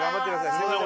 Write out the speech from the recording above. すみません。